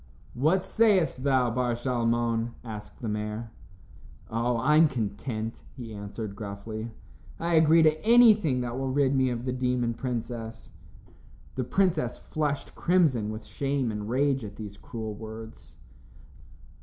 "What sayest thou, Bar Shalmon?" asked the mayor. "Oh! I'm content," he answered gruffly. "I agree to anything that will rid me of the demon princess." The princess flushed crimson with shame and rage at these cruel words.